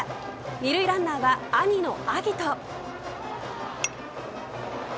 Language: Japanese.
２塁ランナーは兄の晶音。